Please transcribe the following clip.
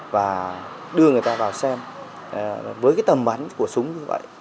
và đưa người ta vào xem với cái tầm bắn của súng như vậy